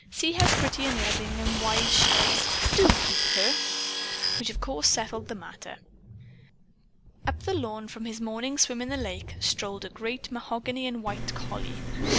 See how pretty and loving and wise she is. DO keep her!" Which of course settled the matter. Up the lawn, from his morning swim in the lake, strolled a great mahogany and white collie.